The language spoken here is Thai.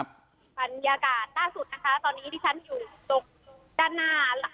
บรรยากาศล่าสุดนะคะตอนนี้ที่ฉันอยู่ตรงด้านหน้า